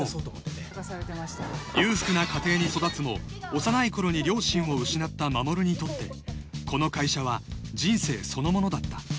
［裕福な家庭に育つも幼いころに両親を失った衛にとってこの会社は人生そのものだった］